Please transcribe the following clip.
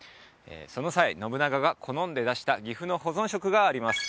その際信長か好んで出した岐阜の保存食があります